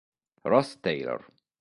Ross Taylor